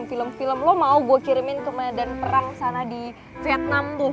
film film lo mau gue kirimin ke medan perang sana di vietnam tuh